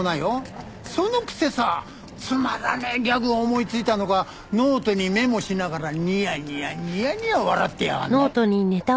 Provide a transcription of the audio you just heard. そのくせさつまらねえギャグ思いついたのかノートにメモしながらニヤニヤニヤニヤ笑ってやがんの。